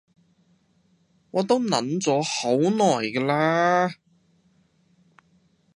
我都諗咗好耐㗎喇